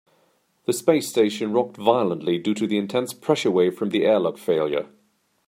The space station rocked violently due to the intense pressure wave from the airlock failure.